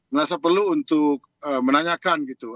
merasa perlu untuk menanyakan gitu